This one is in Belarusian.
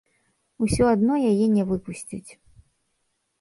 Усё адно яе не выпусцяць.